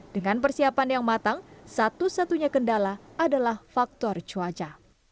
dengan persiapan yang matang satu satunya kendala adalah faktor cuaca